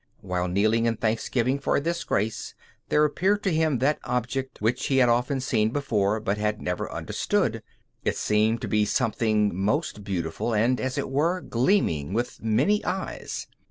While kneeling in thanksgiving for this grace, there appeared to him that object which he had often seen before, but had never understood. It seemed to be something most beautiful, and, as it were, gleaming with many eyes.